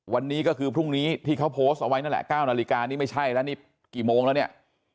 วันนี้ก็คือพรุ่งนี้ที่เขาโพสต์เอาไว้นั่นแหละ๙นาฬิกานี่ไม่ใช่แล้วนี่กี่โมงแล้วเนี่ย